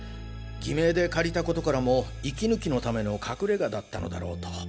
偽名で借りたことからも息抜きのための隠れ家だったのだろうと。